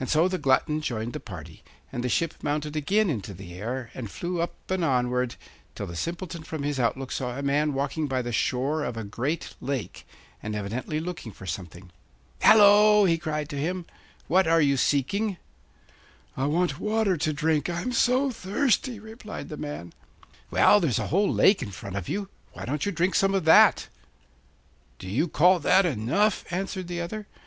And so the glutton joined the party, and the ship mounted again into the air, and flew up and onward, till the Simpleton from his outlook saw a man walking by the shore of a great lake, and evidently looking for something. 'Hallo!' he cried to him,' what are you seeking? 'I want water to drink, I'm so thirsty,' replied the man. 'Well, there's a whole lake in front of you; why don't you drink some of that?' 'Do you call that enough?' answered the other.